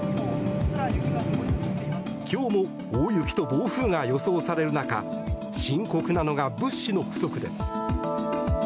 今日も大雪と暴風が予想される中深刻なのが物資の不足です。